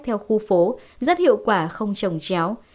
theo khu phố rất hiệu quả không trồng chéo